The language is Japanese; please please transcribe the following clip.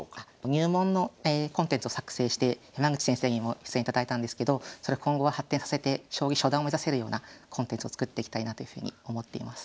入門のコンテンツを作成して山口先生にも出演いただいたんですけどそれを今後は発展させて将棋初段を目指せるようなコンテンツを作っていきたいなというふうに思っています。